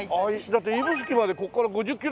だって指宿までここから５０キロぐらいあんだろ？